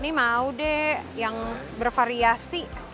ini mau deh yang bervariasi